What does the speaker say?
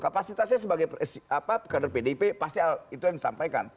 kapasitasnya sebagai kader pdip pasti itu yang disampaikan